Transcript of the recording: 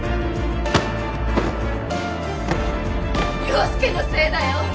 陽佑のせいだよ！